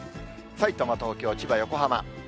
さいたま、東京、千葉、横浜。